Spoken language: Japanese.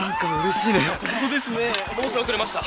申し遅れました。